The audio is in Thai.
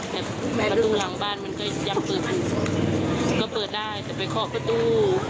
แต่ประตูหลังบ้านมันก็ยังเปิดก็เปิดได้แต่ไปเคาะประตู